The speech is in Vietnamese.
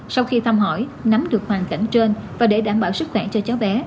sau khi thăm hỏi nắm được hoàn cảnh trên và để đảm bảo sức khỏe cho cháu bé